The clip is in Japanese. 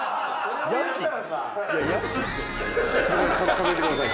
・数えてください。